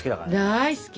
大好き。